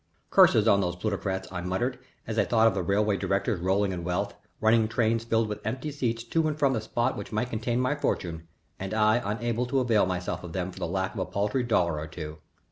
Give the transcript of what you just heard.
"Curses on these plutocrats!" I muttered, as I thought of the railway directors rolling in wealth, running trains filled with empty seats to and from the spot that might contain my fortune, and I unable to avail myself of them for the lack of a paltry dollar or two.